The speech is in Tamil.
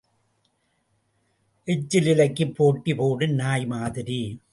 எச்சில் இலைக்குப் போட்டி போடும் நாய் மாதிரி.